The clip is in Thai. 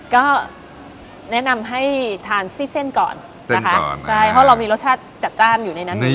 ก็แนะนำให้ทานซี่เส้นก่อนนะคะใช่เพราะเรามีรสชาติจัดจ้านอยู่ในนั้น